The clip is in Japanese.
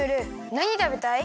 なにたべたい？